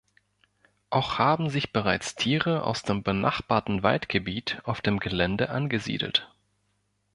Auch haben sich bereits Tiere aus dem benachbarten Waldgebiet auf dem Gelände angesiedelt.